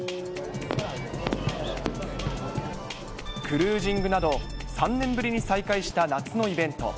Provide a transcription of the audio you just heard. クルージングなど、３年ぶりに再開した夏のイベント。